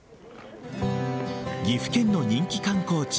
岐阜県の人気観光地